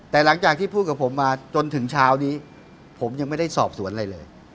แต่หลังจากที่พูดกับผมมาจนถึงเช้านี้ผมยังไม่ได้สอบสวนอะไรเลย